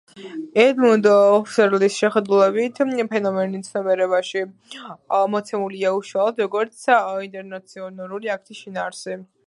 ედმუნდ ჰუსერლის შეხედულებით, ფენომენი ცნობიერებაში მოცემულია უშუალოდ, როგორც ინტერნაციონალური აქტის შინაარსი.